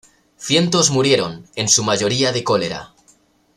Cientos murieron, en su mayoría de cólera.